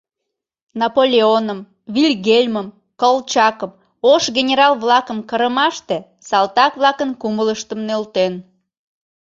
— Наполеоным, Вильгельмым, Колчакым, ош генерал-влакым кырымаште салтак-влакын кумылыштым нӧлтен.